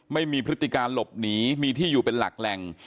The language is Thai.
พฤติการหลบหนีมีที่อยู่เป็นหลักแหล่ง